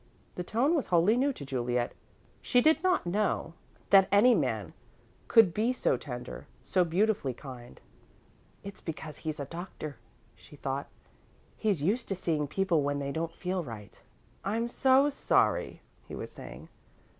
The tone was wholly new to Juliet she did not know that any man could be so tender, so beautifully kind. "It's because he's a doctor," she thought. "He's used to seeing people when they don't feel right." "I'm so sorry," he was saying.